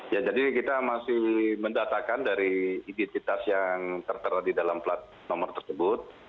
ya jadi kita masih mendatakan dari identitas yang tertera di dalam plat nomor tersebut